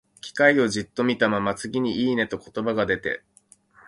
機械をじっと見たまま、次に、「いいね」と言葉が出て、